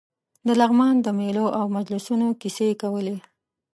د لغمان د مېلو او مجلسونو کیسې کولې.